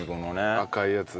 赤いやつね。